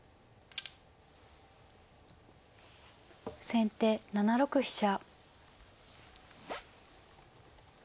先手７六飛車。